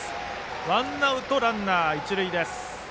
ワンアウトランナー、一塁です。